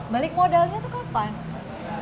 balik modalnya tuh kapan